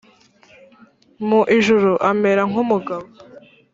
mu ijuru amera nk’umugabo